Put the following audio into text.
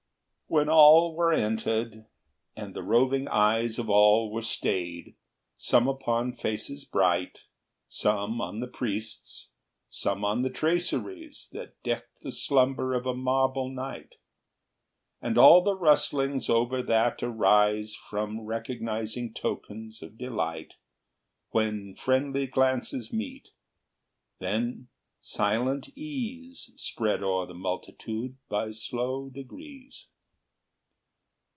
XXVIII. When all were entered, and the roving eyes Of all were staid, some upon faces bright, Some on the priests, some on the traceries That decked the slumber of a marble knight, And all the rustlings over that arise From recognizing tokens of delight, When friendly glances meet, then silent ease Spread o'er the multitude by slow degrees.